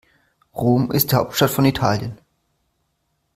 Rom ist die Hauptstadt von Italien.